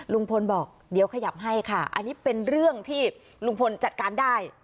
ลุงพลบอกเดี๋ยวขยับให้ค่ะอันนี้เป็นเรื่องที่ลุงพลจัดการได้